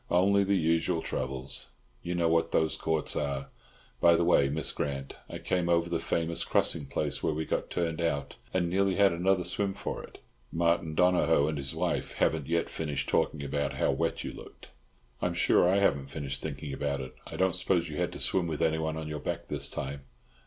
"Only the usual troubles. You know what those courts are. By the way, Miss Grant, I came over the famous crossing place where we got turned out, and nearly had another swim for it. Martin Donohoe and his wife haven't yet finished talking about how wet you looked." "I'm sure I haven't finished thinking about it. I don't suppose you had to swim with anyone on your back this time?"